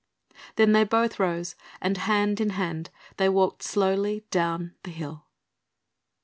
Then they both rose, and hand in hand they walked slowly down the hill.